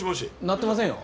鳴ってませんよ。